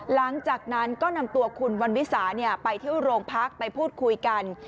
หลังจากนั้นก็นำตัวคุณวันวิสาไปเที่ยวโรงพักไปพูดคุยกัน